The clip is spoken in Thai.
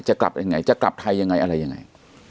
จะกลับไหนจะกลับไทยอย่างไรอะไรอย่างไร